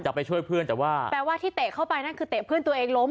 ไปช่วยเพื่อนแต่ว่าแปลว่าที่เตะเข้าไปนั่นคือเตะเพื่อนตัวเองล้ม